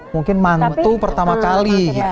mungkin mantu pertama kali gitu ya